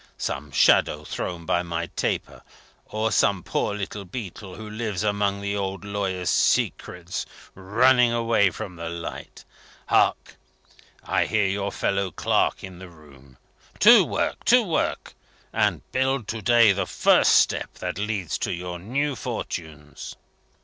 Some shadow thrown by my taper; or some poor little beetle, who lives among the old lawyer's secrets, running away from the light. Hark! I hear your fellow clerk in the office. To work! to work! and build to day the first step that leads to your new fortunes!"